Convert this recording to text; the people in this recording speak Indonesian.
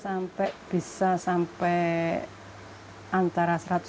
sampai bisa sampai antara satu ratus lima puluh sampai dua ratus toples